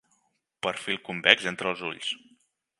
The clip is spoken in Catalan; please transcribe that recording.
Perfil convex entre els ulls.